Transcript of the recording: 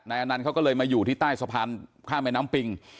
อนันต์เขาก็เลยมาอยู่ที่ใต้สะพานข้ามแม่น้ำปิง